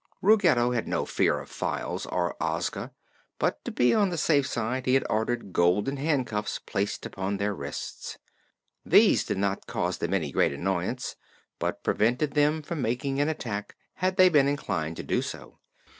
Ruggedo had no fear of Files or Ozga, but to be on the safe side he had ordered golden handcuffs placed upon their wrists. These did not cause them any great annoyance but prevented them from making an attack, had they been inclined to do so.